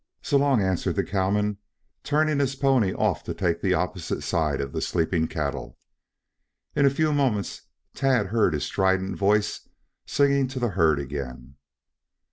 "So long," answered the cowman, turning his pony off to take the opposite side of the sleeping cattle. In a few moments Tad heard his strident voice singing to the herd again.